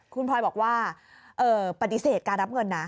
คุณพลอยบอกว่าปฏิเสธการรับเงินนะ